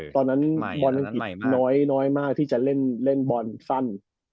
ตอนนั้นบอลอังกฤษน้อยมากที่จะเล่นบอลสั้น